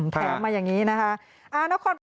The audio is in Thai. แถมมาอย่างนี้นะคะ